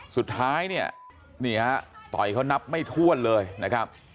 สุดท้ายเนี่ยนี่ฮะต่อยเขานับไม่ถ้วนเลยนะครับ